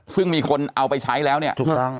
ซึ่งมีคนเอาไปใช้แล้วเนี่ย